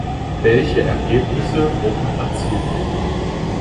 Welche Ergebnisse wurden erzielt?